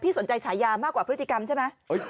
สนใจฉายามากกว่าพฤติกรรมใช่ไหม